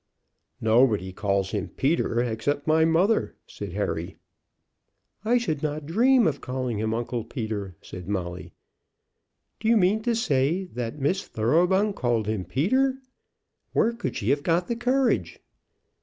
"Nobody calls him Peter except my mother," said Harry. "I should not dream of calling him Uncle Peter," said Molly. "Do you mean to say that Miss Thoroughbung called him Peter? Where could she have got the courage?"